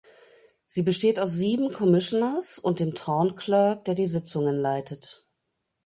Sie besteht aus sieben Commissioners und dem Town Clerk der die Sitzungen leitet.